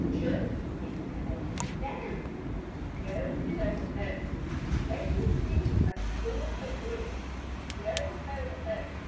Churns the sea to make her dairy: Yo ho oh! When you see a storm a brewin', Yo ho oh!